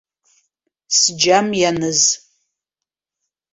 Сџьам ианыз.